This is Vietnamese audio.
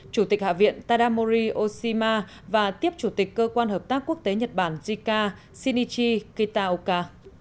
chủ tịch hạ viện tadamori oshima và tiếp chủ tịch cơ quan hợp tác quốc tế nhật bản jica shinichi kitaoka